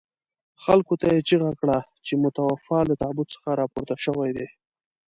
خلکو ته یې چيغه کړه چې متوفي له تابوت څخه راپورته شوي دي.